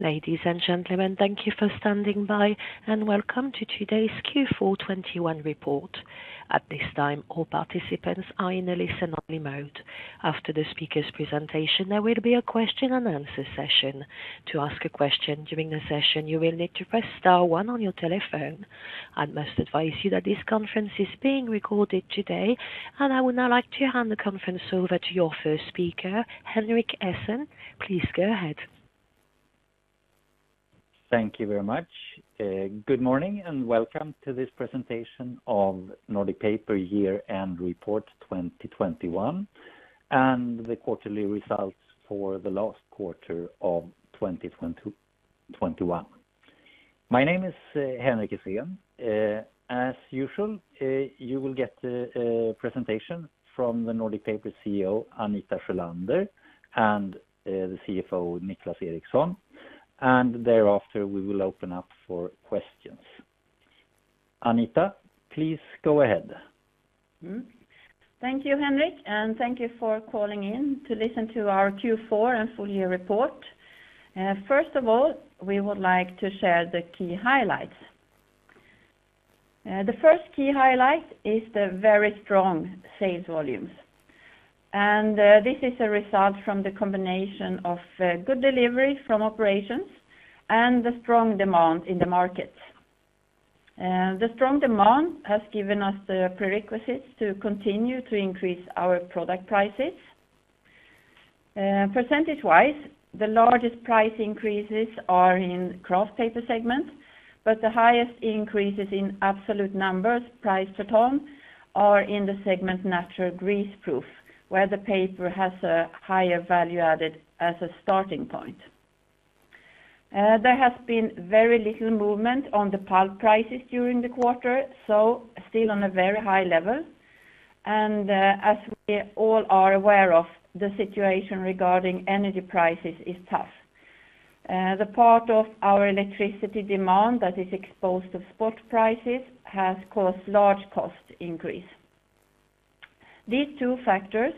Ladies and gentlemen, thank you for standing by, and welcome to today's Q4 2021 report. At this time, all participants are in a listen-only mode. After the speaker's presentation, there will be a question and answer session. To ask a question during the session, you will need to press star one on your telephone. I must advise you that this conference is being recorded today, and I would now like to hand the conference over to your first speaker, Henrik Essén. Please go ahead. Thank you very much. Good morning, and welcome to this presentation of Nordic Paper Year-End Report 2021, and the quarterly results for the last quarter of 2021. My name is Henrik Essén. As usual, you will get a presentation from the Nordic Paper CEO, Anita Sjölander, and the CFO, Niclas Eriksson, and thereafter, we will open up for questions. Anita, please go ahead. Thank you, Henrik, and thank you for calling in to listen to our Q4 and full year report. First of all, we would like to share the key highlights. The first key highlight is the very strong sales volumes. This is a result from the combination of good delivery from operations and the strong demand in the market. The strong demand has given us the prerequisites to continue to increase our product prices. Percentage-wise, the largest price increases are in Kraft Paper segment, but the highest increases in absolute numbers, price per ton, are in the segment Natural Greaseproof, where the paper has a higher value added as a starting point. There has been very little movement on the pulp prices during the quarter, so still on a very high level. As we all are aware of, the situation regarding energy prices is tough. The part of our electricity demand that is exposed to spot prices has caused large cost increase. These two factors,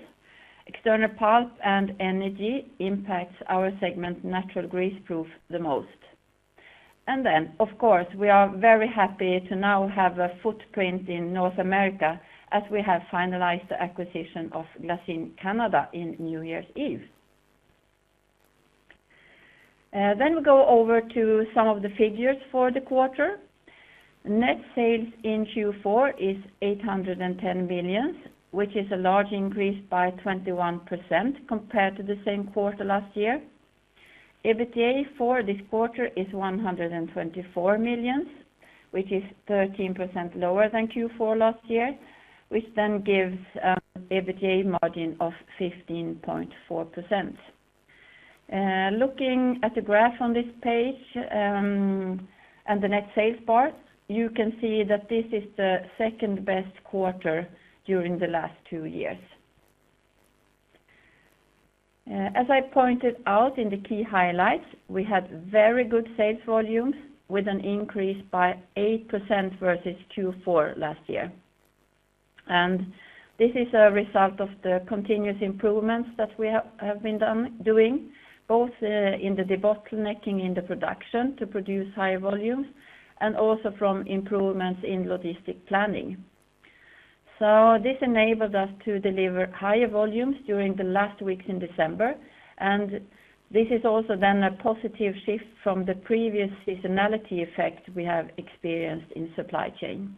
external pulp and energy, impacts our segment Natural Greaseproof the most. Of course, we are very happy to now have a footprint in North America as we have finalized the acquisition of Glassine Canada on New Year's Eve. We go over to some of the figures for the quarter. Net sales in Q4 is 810 million, which is a large increase by 21% compared to the same quarter last year. EBITDA for this quarter is 124 million, which is 13% lower than Q4 last year, which then gives EBITDA margin of 15.4%. Looking at the graph on this page, and the net sales part, you can see that this is the second-best quarter during the last two years. As I pointed out in the key highlights, we had very good sales volumes with an increase by 8% versus Q4 last year. This is a result of the continuous improvements that we have been doing, both in the debottlenecking in the production to produce higher volumes, and also from improvements in logistic planning. This enabled us to deliver higher volumes during the last weeks in December, and this is also then a positive shift from the previous seasonality effect we have experienced in supply chain.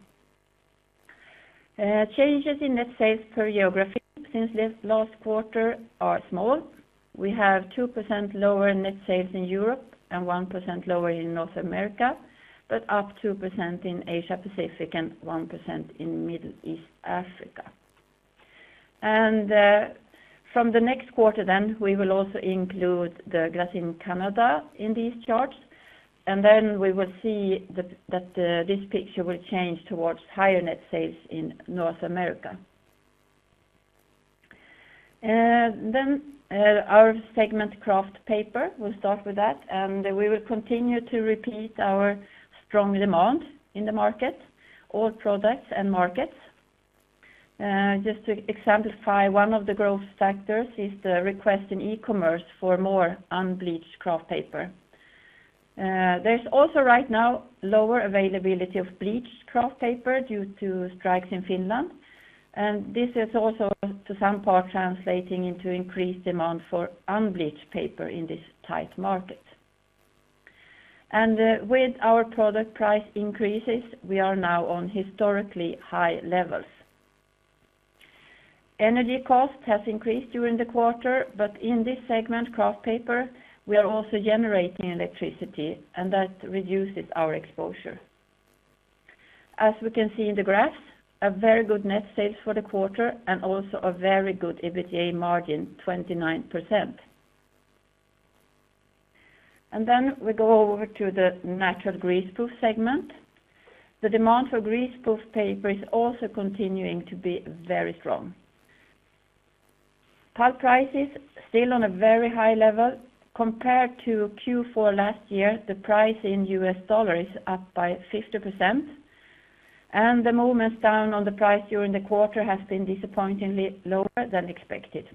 Changes in net sales per geography since this last quarter are small. We have 2% lower net sales in Europe and 1% lower in North America, but up 2% in Asia-Pacific and 1% in Middle East, Africa. From the next quarter then, we will also include the Glassine Canada in these charts, and then we will see this picture will change towards higher net sales in North America. Our segment Kraft Paper, we'll start with that, and we will continue to report our strong demand in the market, all products and markets. Just to exemplify, one of the growth factors is the request in e-commerce for more unbleached kraft paper. There's also right now lower availability of bleached kraft paper due to strikes in Finland, and this is also to some part translating into increased demand for unbleached paper in this tight market. With our product price increases, we are now on historically high levels. Energy cost has increased during the quarter, but in this segment, Kraft Paper, we are also generating electricity, and that reduces our exposure. As we can see in the graph, a very good net sales for the quarter and also a very good EBITDA margin, 29%. Then we go over to the Natural Greaseproof segment. The demand for greaseproof paper is also continuing to be very strong. Pulp prices still on a very high level. Compared to Q4 last year, the price in U.S. dollar is up by 50%. The movements down on the price during the quarter has been disappointingly lower than expected.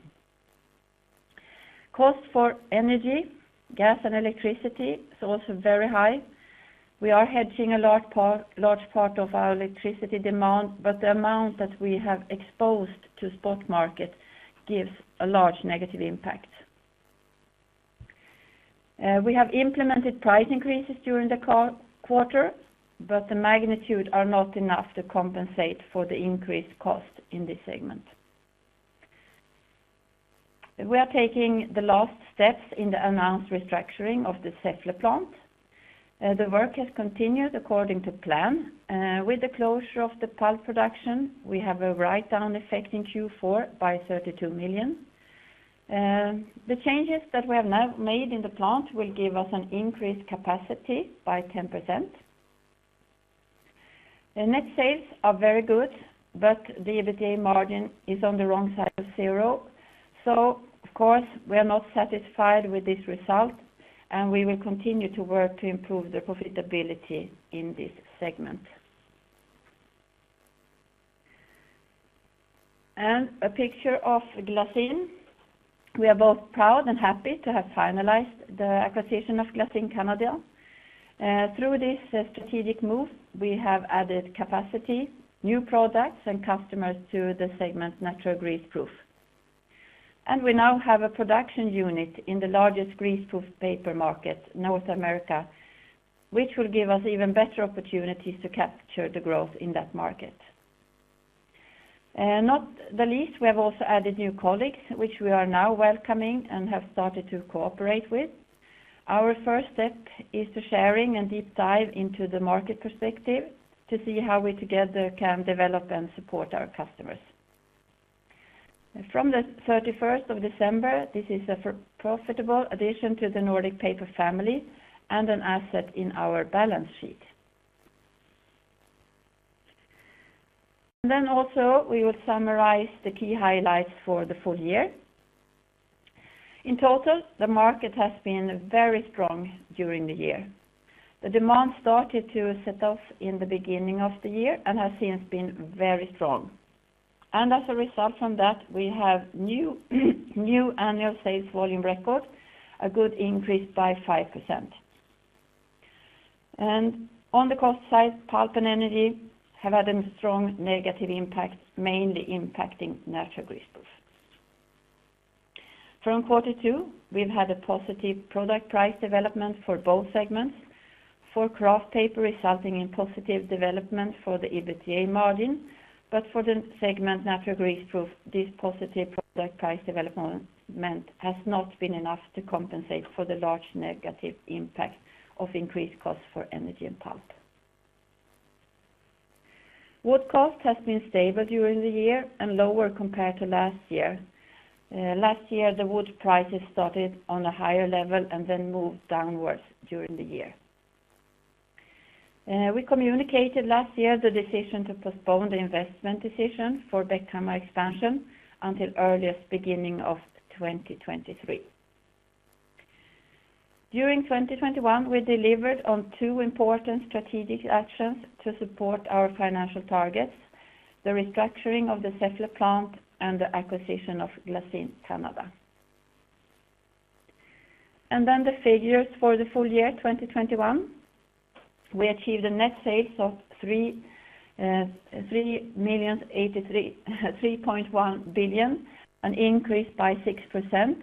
Cost for energy, gas, and electricity is also very high. We are hedging a large part of our electricity demand, but the amount that we have exposed to spot market gives a large negative impact. We have implemented price increases during the quarter, but the magnitude are not enough to compensate for the increased cost in this segment. We are taking the last steps in the announced restructuring of the Säffle plant. The work has continued according to plan. With the closure of the pulp production, we have a write-down effect in Q4 by 32 million. The changes that we have now made in the plant will give us an increased capacity by 10%. The net sales are very good, but the EBITDA margin is on the wrong side of zero. Of course, we are not satisfied with this result, and we will continue to work to improve the profitability in this segment. A picture of Glassine. We are both proud and happy to have finalized the acquisition of Glassine Canada. Through this strategic move, we have added capacity, new products, and customers to the segment's Natural Greaseproof. We now have a production unit in the largest greaseproof paper market, North America, which will give us even better opportunities to capture the growth in that market. Not the least, we have also added new colleagues, which we are now welcoming and have started to cooperate with. Our first step is to share and deep dive into the market perspective to see how we together can develop and support our customers. From the thirty-first of December, this is a profitable addition to the Nordic Paper family and an asset in our balance sheet. We will summarize the key highlights for the full year. In total, the market has been very strong during the year. The demand started to take off in the beginning of the year and has since been very strong. As a result from that, we have a new annual sales volume record, a good increase by 5%. On the cost side, pulp and energy have had a strong negative impact, mainly impacting Natural Greaseproof. From Q2, we've had a positive product price development for both segments. For Kraft Paper, resulting in positive development for the EBITDA margin, but for the segment Natural Greaseproof, this positive product price development has not been enough to compensate for the large negative impact of increased costs for energy and pulp. Wood cost has been stable during the year and lower compared to last year. Last year, the wood prices started on a higher level and then moved downwards during the year. We communicated last year the decision to postpone the investment decision for Bäckhammar expansion until earliest beginning of 2023. During 2021, we delivered on two important strategic actions to support our financial targets, the restructuring of the Säffle plant and the acquisition of Glassine Canada. The figures for the full year 2021, we achieved net sales of 3.1 billion, an increase by 6%.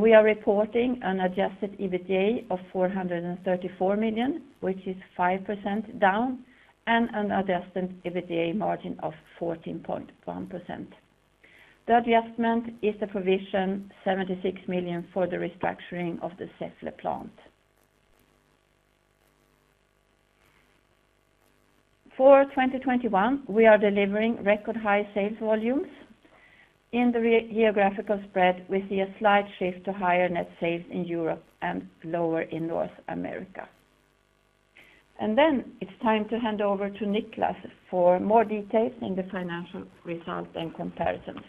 We are reporting an adjusted EBITDA of 434 million, which is 5% down, and an adjusted EBITDA margin of 14.1%. The adjustment is the provision 76 million for the restructuring of the Säffle plant. For 2021, we are delivering record high sales volumes. In the geographical spread, we see a slight shift to higher net sales in Europe and lower in North America. It's time to hand over to Niclas for more details in the financial results and comparisons.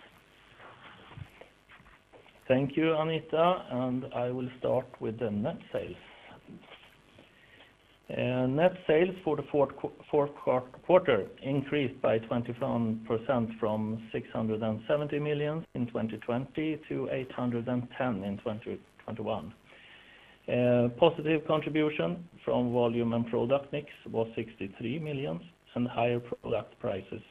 Thank you, Anita, and I will start with the net sales. Net sales for the fourth quarter increased by 21% from 670 million in 2020 to 810 million in 2021. Positive contribution from volume and product mix was 63 million, and higher product prices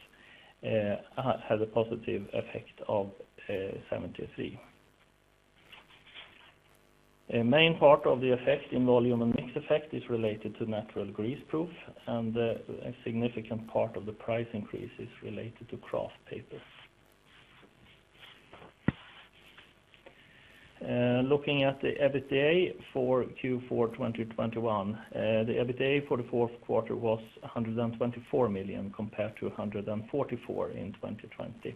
had a positive effect of 73. A main part of the effect in volume and mix effect is related to Natural Greaseproof, and a significant part of the price increase is related to Kraft Paper. Looking at the EBITDA for Q4 2021, the EBITDA for the fourth quarter was 124 million compared to 144 million in 2020.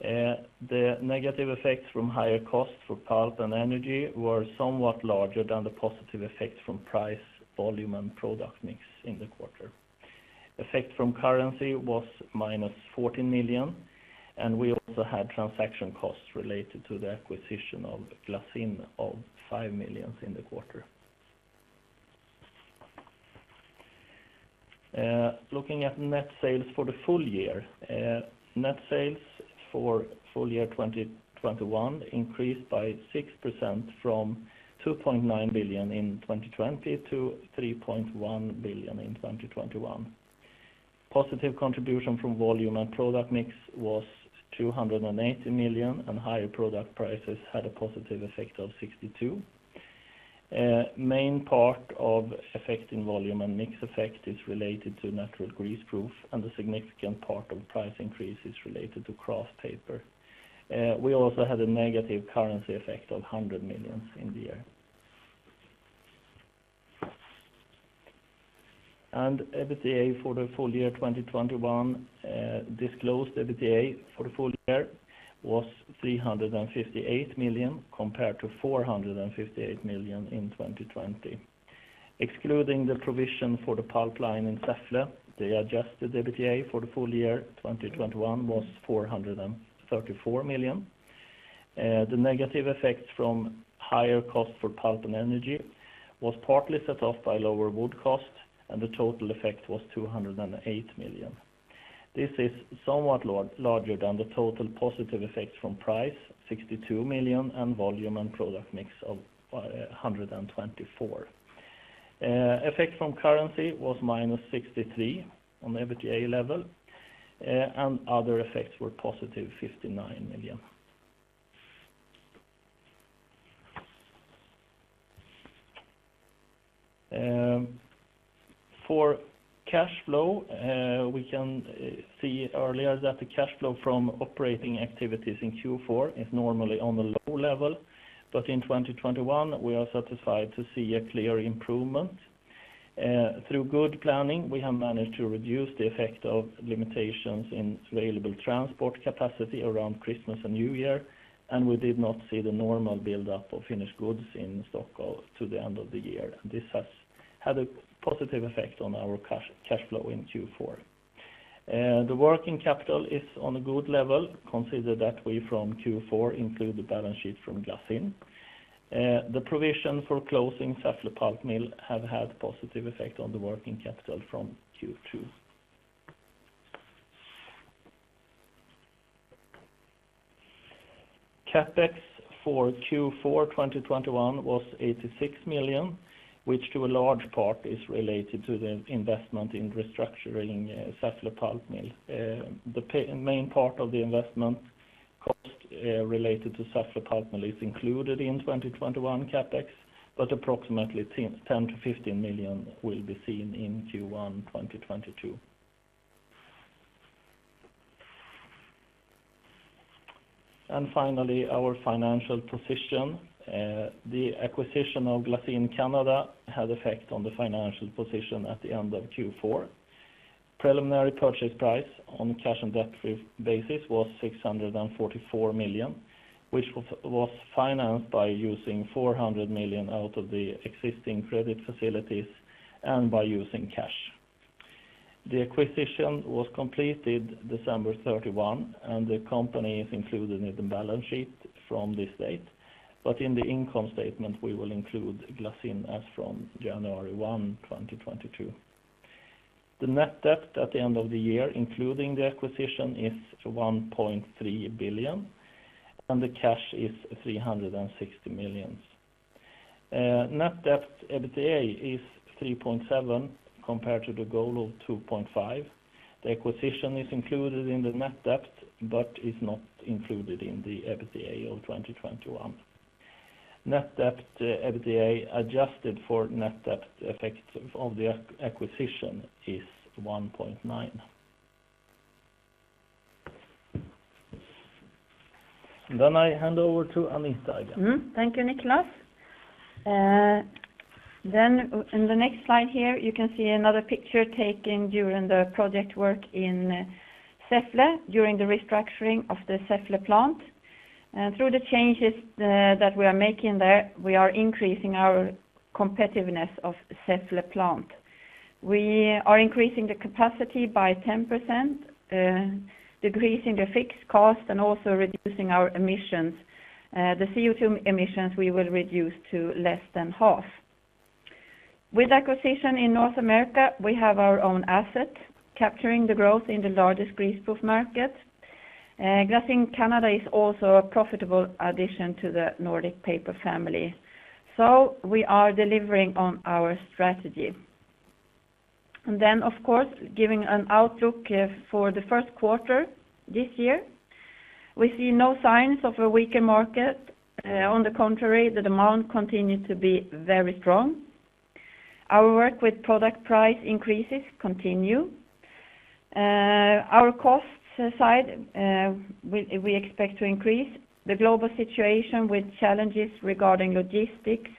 The negative effects from higher costs for pulp and energy were somewhat larger than the positive effects from price, volume, and product mix in the quarter. Effect from currency was -14 million, and we also had transaction costs related to the acquisition of Glassine of 5 million in the quarter. Looking at net sales for the full year. Net sales for full year 2021 increased by 6% from 2.9 billion in 2020 to 3.1 billion in 2021. Positive contribution from volume and product mix was 280 million, and higher product prices had a positive effect of 62 million. Main part of effect in volume and mix effect is related to Natural Greaseproof, and a significant part of price increase is related to Kraft Paper. We also had a negative currency effect of 100 million in the year. EBITDA for the full year 2021 disclosed EBITDA for the full year was 358 million, compared to 458 million in 2020. Excluding the provision for the pulp line in Säffle, the adjusted EBITDA for the full year 2021 was 434 million. The negative effects from higher cost for pulp and energy was partly set off by lower wood costs, and the total effect was 208 million. This is somewhat larger than the total positive effects from price, 62 million, and volume and product mix of 124 million. Effect from currency was -63 million on EBITDA level, and other effects were +59 million. For cash flow, we can see earlier that the cash flow from operating activities in Q4 is normally on a low level. In 2021, we are satisfied to see a clear improvement. Through good planning, we have managed to reduce the effect of limitations in available transport capacity around Christmas and New Year, and we did not see the normal buildup of finished goods in Stockholm to the end of the year. This has had a positive effect on our cash flow in Q4. The working capital is on a good level, considering that we from Q4 include the balance sheet from Glassine. The provision for closing Säffle pulp mill have had positive effect on the working capital from Q2. CapEx for Q4 2021 was 86 million, which to a large part is related to the investment in restructuring Säffle pulp mill. The main part of the investment cost related to Säffle pulp mill is included in 2021 CapEx, but approximately 10 million-15 million will be seen in Q1 2022. Finally, our financial position. The acquisition of Glassine Canada Inc. had effect on the financial position at the end of Q4. Preliminary purchase price on a cash and debt free basis was 644 million, which was financed by using 400 million out of the existing credit facilities and by using cash. The acquisition was completed December 31, 2021, and the company is included in the balance sheet from this date. In the income statement, we will include Glassine Canada Inc. as from January 1, 2022. The net debt at the end of the year, including the acquisition, is 1.3 billion, and the cash is 360 million. Net Debt/EBITDA is 3.7, compared to the goal of 2.5. The acquisition is included in the net debt, but is not included in the EBITDA of 2021. Net Debt/EBITDA, adjusted for net debt effects of the acquisition, is 1.9. I hand over to Anita again. Thank you, Niclas. In the next slide here, you can see another picture taken during the project work in Säffle during the restructuring of the Säffle plant. Through the changes that we are making there, we are increasing our competitiveness of Säffle plant. We are increasing the capacity by 10%, decreasing the fixed cost, and also reducing our emissions. The CO2 emissions, we will reduce to less than half. With acquisition in North America, we have our own asset, capturing the growth in the largest greaseproof market. Glassine Canada Inc. is also a profitable addition to the Nordic Paper family. We are delivering on our strategy. Of course, giving an outlook for the first quarter this year. We see no signs of a weaker market. On the contrary, the demand continued to be very strong. Our work with product price increases continue. Our costs side, we expect to increase. The global situation with challenges regarding logistics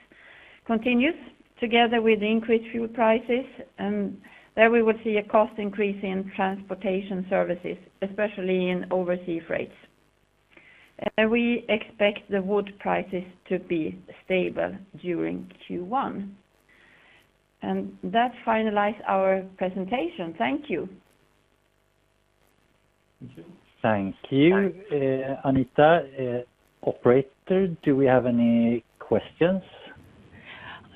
continues, together with increased fuel prices, and there we will see a cost increase in transportation services, especially in oversea freights. We expect the wood prices to be stable during Q1. That finalize our presentation. Thank you. Thank you, Anita. Operator, do we have any questions?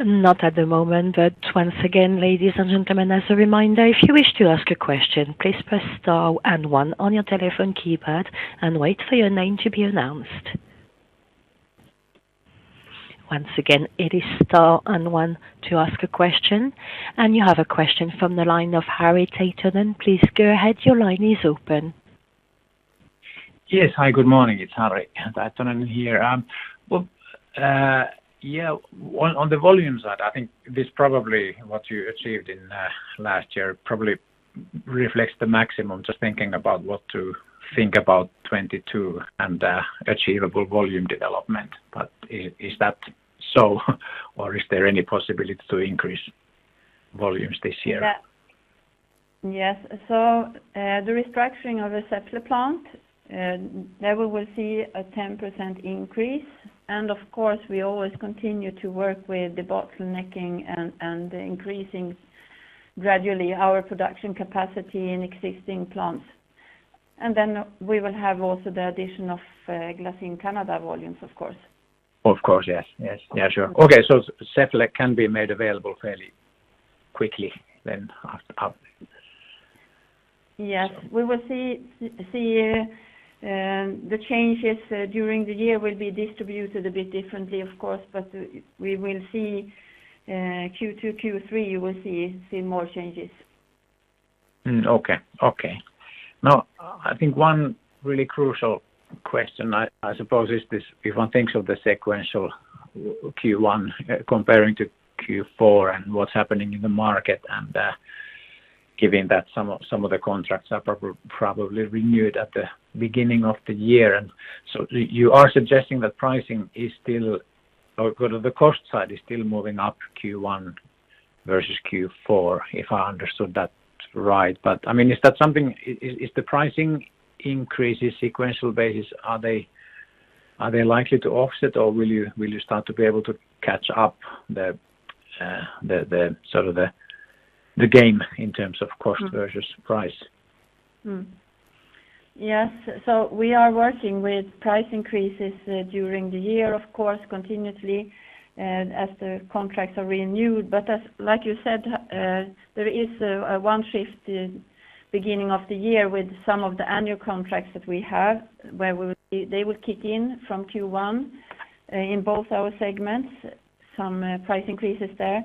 Not at the moment. Once again, ladies and gentlemen, as a reminder, if you wish to ask a question, please press star and one on your telephone keypad and wait for your name to be announced. Once again, it is star and one to ask a question. You have a question from the line of Harri Taittonen. Please go ahead. Your line is open. Yes. Hi, good morning. It's Harri Taittonen here. Well, on the volume side, I think this is probably what you achieved in last year probably reflects the maximum, just thinking about what to think about 2022 and the achievable volume development. Is that so or is there any possibility to increase volumes this year? The restructuring of the Säffle plant, there we will see a 10% increase. Of course, we always continue to work with the debottlenecking and increasing gradually our production capacity in existing plants. We will have also the addition of Glassine Canada volumes, of course. Of course. Yes, yes. Yeah, sure. Okay. Säffle can be made available fairly quickly then after pub? Yes. We will see the changes during the year will be distributed a bit differently, of course, but we will see Q2, Q3. You will see more changes. Okay. Now I think one really crucial question I suppose is this, if one thinks of the sequential Q1 comparing to Q4 and what's happening in the market, and given that some of the contracts are probably renewed at the beginning of the year. You are suggesting that pricing is still going up or the cost side is still moving up Q1 versus Q4, if I understood that right. I mean, is that something. Is the pricing increases sequential basis, are they likely to offset or will you start to be able to catch up the gain in terms of cost versus price? Yes. We are working with price increases during the year of course, continuously, as the contracts are renewed. As like you said, there is a one shift in beginning of the year with some of the annual contracts that we have, where we will see they will kick in from Q1 in both our segments, some price increases there.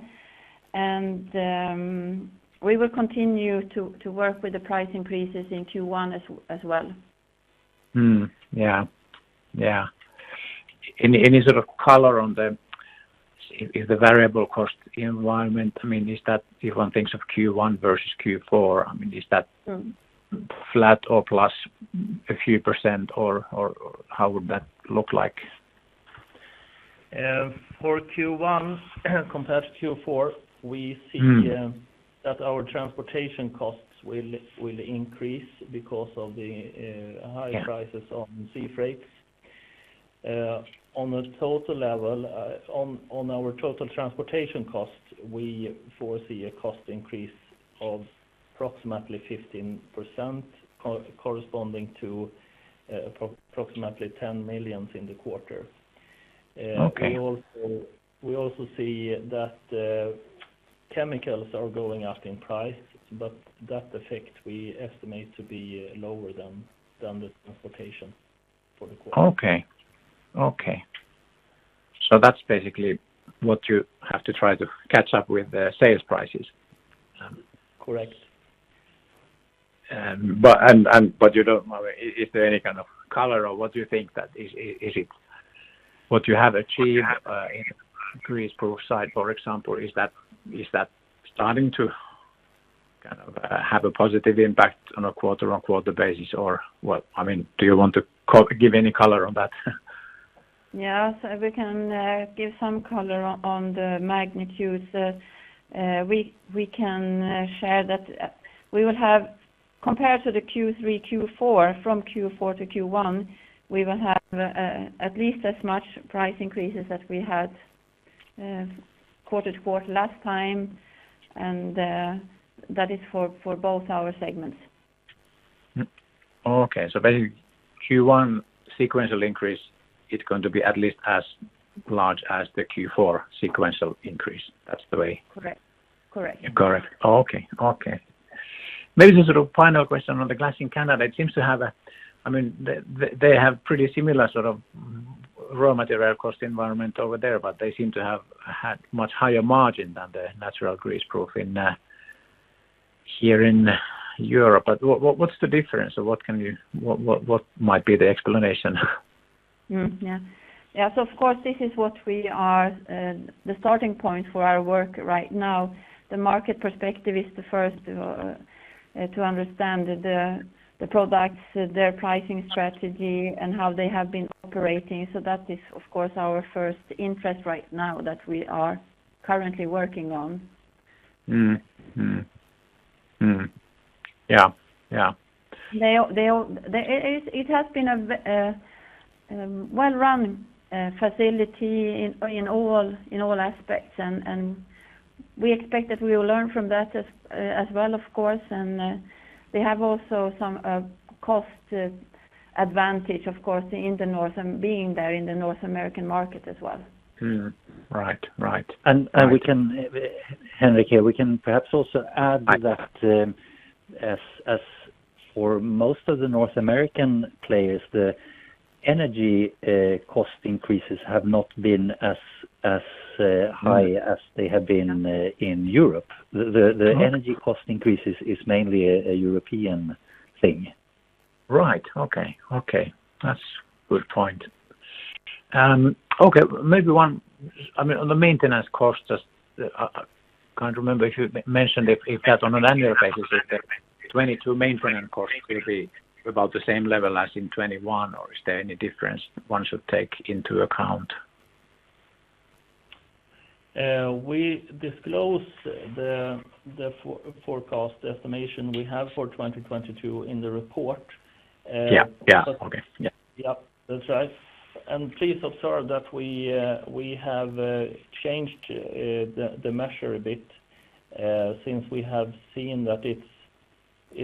We will continue to work with the price increases in Q1 as well. Yeah. Any sort of color on the variable cost environment, I mean, is that if one thinks of Q1 versus Q4, I mean, is that- flat or plus a few % or how would that look like? For Q1 compared to Q4, we see. Hmm that our transportation costs will increase because of the higher prices. Yeah... on sea freights. On a total level, on our total transportation cost, we foresee a cost increase of approximately 15% corresponding to approximately 10 million in the quarter. Okay We also see that chemicals are going up in price, but that effect we estimate to be lower than the transportation for the quarter. Okay. That's basically what you have to try to catch up with the sales prices. Correct. You don't know, is there any kind of color or what do you think that is it what you have achieved in greaseproof side, for example, is that starting to kind of have a positive impact on a quarter-on-quarter basis? Or what, I mean, do you want to give any color on that? Yeah. We can give some color on the magnitudes. We can share that we will have compared to the Q3, Q4, from Q4 to Q1, we will have at least as much price increases as we had quarter to quarter last time. That is for both our segments. Okay. Basically Q1 sequential increase is going to be at least as large as the Q4 sequential increase. That's the way. Correct. Correct. Correct. Okay. Maybe just sort of final question on the Glassine Canada. I mean, they have pretty similar sort of raw material cost environment over there, but they seem to have had much higher margin than the Natural Greaseproof in here in Europe. What's the difference or what might be the explanation? Yeah. Of course, this is what we are, the starting point for our work right now. The market perspective is the first to understand the products, their pricing strategy, and how they have been operating. That is of course our first interest right now that we are currently working on. Hmm. Yeah. It has been a Well-run facility in all aspects, and we expect that we will learn from that as well, of course. We have also some cost advantage, of course, in the North, being there in the North American market as well. Right. Right. Henrik here, we can perhaps also add that, as for most of the North American players, the energy cost increases have not been as high as they have been in Europe. The energy cost increases is mainly a European thing. Right. Okay. That's good point. I mean, on the maintenance costs, just, I can't remember if you mentioned if that's on an annual basis, if the 2022 maintenance costs will be about the same level as in 2021 or is there any difference one should take into account? We disclose the forecast estimation we have for 2022 in the report. Yeah. Yeah. Okay. Yeah. Yeah. That's right. Please observe that we have changed the measure a bit since we have seen that it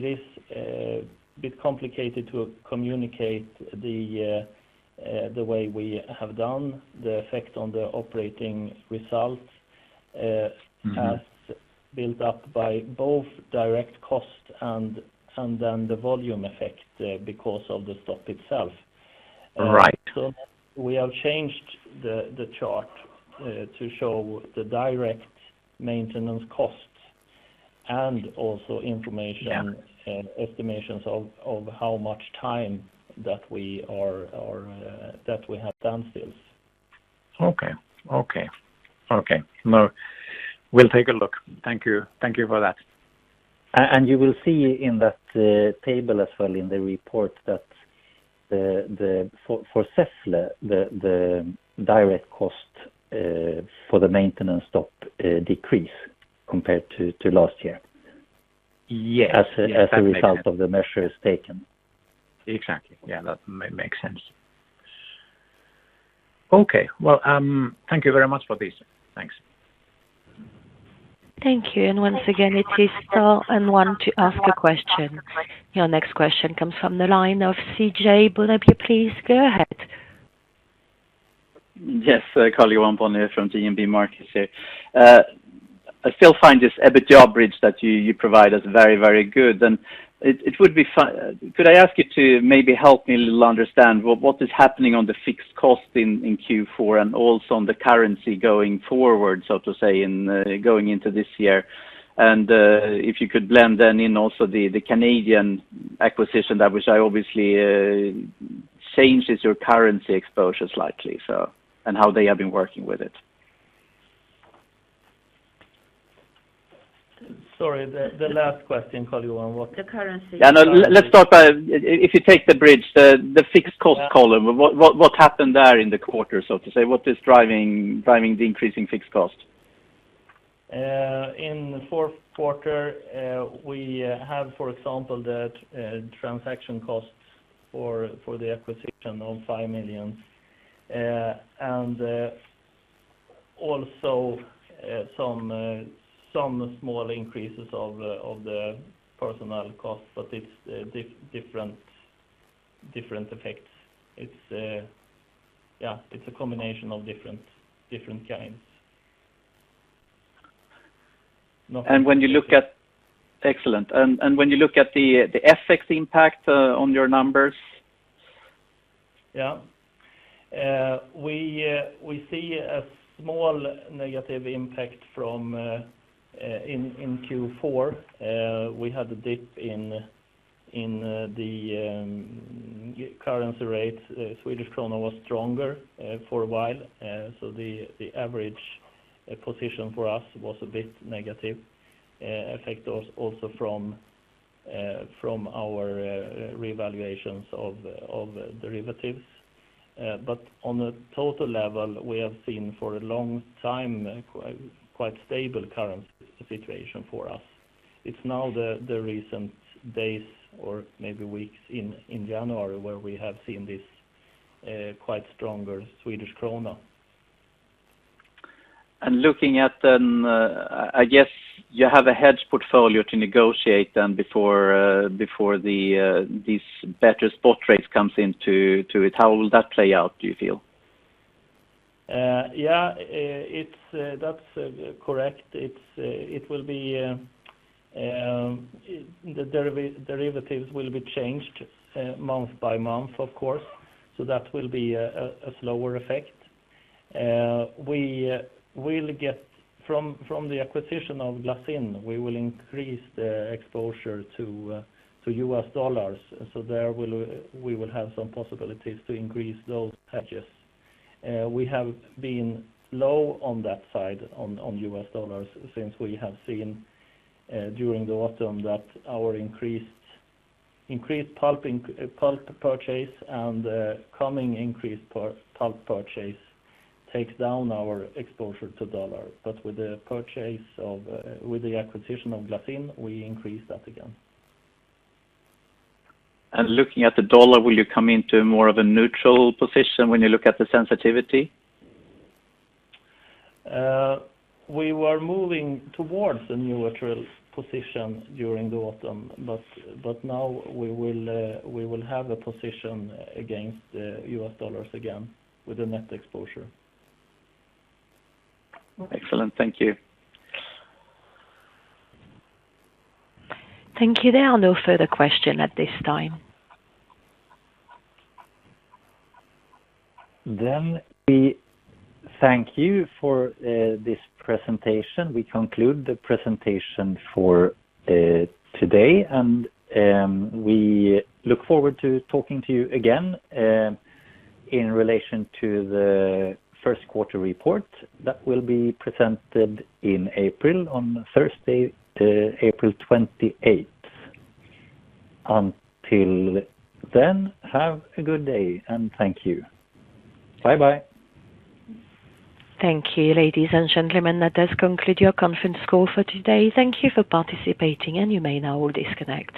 is a bit complicated to communicate the way we have done the effect on the operating results. Mm-hmm. as built up by both direct costs and then the volume effect, because of the stop itself. Right. We have changed the chart to show the direct maintenance costs and also information. Yeah. estimations of how much time that we have done this. Okay. No, we'll take a look. Thank you. Thank you for that. You will see in that table as well in the report that, for Säffle, the direct cost for the maintenance stop decreased compared to last year. Yes. As a result of the measures taken. Exactly. Yeah. That makes sense. Okay. Well, thank you very much for this. Thanks. Thank you. Your next question comes from the line of CJ. Please go ahead. Yes. Karl-Johan Bonnevier from DNB Markets here. I still find this EBITDA bridge that you provide us very, very good. Could I ask you to maybe help me a little understand what is happening on the fixed cost in Q4 and also on the currency going forward, so to say, in going into this year? If you could blend then in also the Canadian acquisition that which I obviously changes your currency exposure slightly, so, and how they have been working with it. Sorry, the last question, Karl-Johan. What- The currency. Yeah, no. Let's start by. If you take the bridge, the fixed cost column, what happened there in the quarter, so to say? What is driving the increasing fixed cost? In the fourth quarter, we have, for example, the transaction costs for the acquisition of 5 million, and also some small increases of the personnel costs, but it's different effects. It's a combination of different kinds. When you look at the FX impact on your numbers? We see a small negative impact from in Q4. We had a dip in the currency rate. Swedish krona was stronger for a while. The average position for us was a bit negative effect also from our revaluations of derivatives. On a total level, we have seen for a long time quite stable currency situation for us. It's now the recent days or maybe weeks in January, where we have seen this quite stronger Swedish krona. Looking at then, I guess you have a hedge portfolio to negotiate then before this better spot rate comes into it. How will that play out, do you feel? Yeah, that's correct. The derivatives will be changed month by month, of course. That will be a slower effect. From the acquisition of Glassine, we will increase the exposure to U.S. dollars. There we will have some possibilities to increase those hedges. We have been low on that side, on U.S. dollars since we have seen, during the autumn, that our increased pulp purchase and coming increased pulp purchase takes down our exposure to dollar. With the purchase of, with the acquisition of Glassine, we increase that again. Looking at the dollar, will you come into more of a neutral position when you look at the sensitivity? We were moving towards a neutral position during the autumn, but now we will have a position against U.S. dollars again with a net exposure. Excellent. Thank you. Thank you. There are no further questions at this time. We thank you for this presentation. We conclude the presentation for today, and we look forward to talking to you again in relation to the first quarter report that will be presented in April, on Thursday, April twenty-eighth. Until then, have a good day, and thank you. Bye-bye. Thank you, ladies and gentlemen. That does conclude your conference call for today. Thank you for participating, and you may now disconnect.